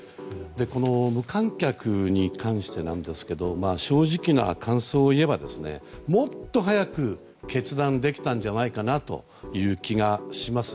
無観客に関してなんですけど正直な感想を言えばもっと早く決断できたんじゃないかという気がします。